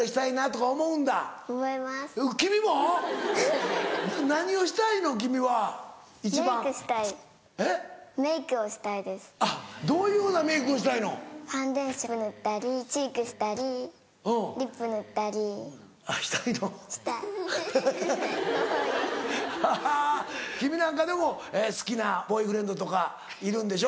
・かわいい・ははぁ君なんかでも好きなボーイフレンドとかいるんでしょ？